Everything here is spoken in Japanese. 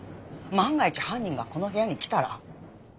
万が一犯人がこの部屋に来たら。